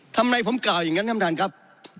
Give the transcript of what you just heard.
ทำไมผมกล่าวอย่างนั้นท่านประธานครับ